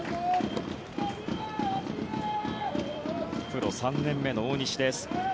プロ３年目の大西です。